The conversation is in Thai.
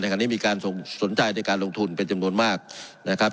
ขณะนี้มีการสนใจในการลงทุนเป็นจำนวนมากนะครับ